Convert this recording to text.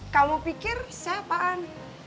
kamu pikir siapaan